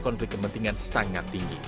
konflik kepentingan sangat tinggi